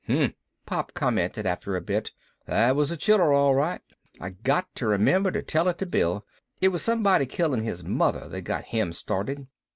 "Hum," Pop commented after a bit, "that was a chiller, all right. I got to remember to tell it to Bill it was somebody killing his mother that got him started.